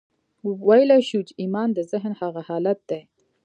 ويلای شو چې ايمان د ذهن هغه حالت دی.